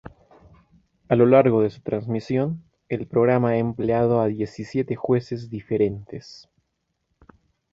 A lo largo de su transmisión, el programa ha empleado a diecisiete jueces diferentes.